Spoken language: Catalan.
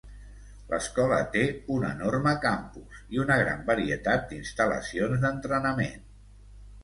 L'escola té un enorme campus i una gran varietat d'instal·lacions d'entrenament.